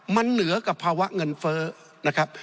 มันเหนือกับภาวะเงินเฟ้อนะครับ